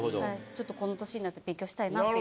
ちょっとこの年になって勉強したいなって今。